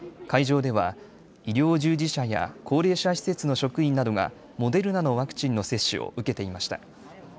会場では医療従事者や高齢者施設の職員などがモデルナのワクチンの接種を受けていました。